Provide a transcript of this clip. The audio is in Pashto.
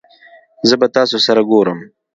زه به تاسو سره ګورم